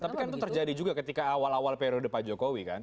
tapi kan itu terjadi juga ketika awal awal periode pak jokowi kan